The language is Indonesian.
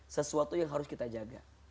sesuatu yang harus kita jaga